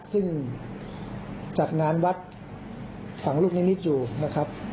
ซึ่งจัดงานวัดฝังลูกนิมิตอยู่นะครับ